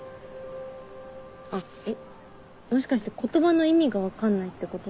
あえっもしかして言葉の意味が分かんないってこと？